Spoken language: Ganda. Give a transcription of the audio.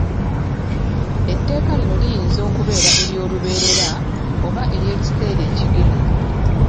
Etteeka lino liyinza okubeera eryolubeerera oba eryekiseera ekigere.